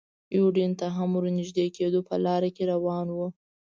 یوډین ته هم ور نږدې کېدو، په لاره کې روان و.